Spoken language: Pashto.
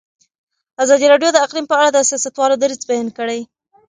ازادي راډیو د اقلیم په اړه د سیاستوالو دریځ بیان کړی.